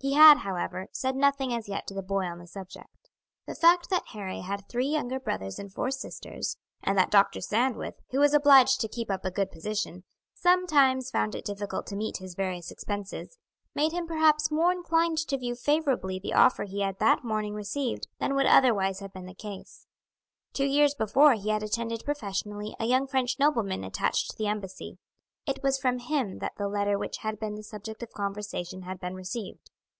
He had, however, said nothing as yet to the boy on the subject. The fact that Harry had three younger brothers and four sisters, and that Dr. Sandwith, who was obliged to keep up a good position, sometimes found it difficult to meet his various expenses, made him perhaps more inclined to view favourably the offer he had that morning received than would otherwise have been the case. Two years before he had attended professionally a young French nobleman attached to the embassy. It was from him that the letter which had been the subject of conversation had been received.